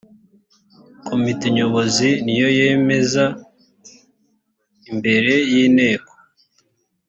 komite nyobozi niyo yemeza imbere y inteko